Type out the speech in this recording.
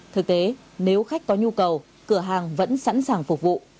thực tế nếu khách có nhu cầu cửa hàng vẫn sẵn sàng phục vụ